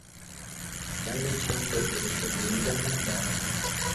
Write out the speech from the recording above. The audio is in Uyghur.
بەلنى چىڭ تۈر بىلىشكە بىلمىگەننىڭ بارىنى.